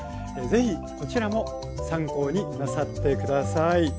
ぜひこちらも参考になさって下さい。